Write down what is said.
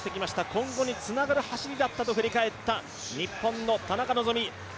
今後につながる走りだと振り返った日本の田中希実。